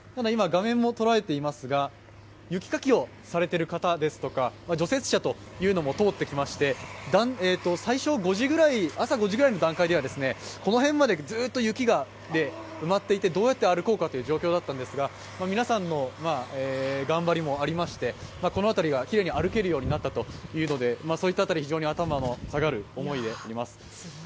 ただ今、雪かきをされている方ですとか除雪車というのも通ってきまして朝５時ぐらいの段階ではこの辺までずっと雪で埋まっていて、どうやって歩こうかという状況だったんですが、皆さんの頑張りもありまして、この辺りがきれいに歩けるようになったということでそういった辺り非常に頭の下がる思いであります。